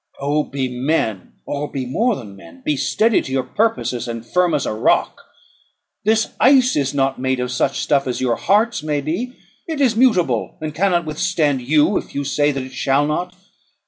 Oh! be men, or be more than men. Be steady to your purposes, and firm as a rock. This ice is not made of such stuff as your hearts may be; it is mutable, and cannot withstand you, if you say that it shall not.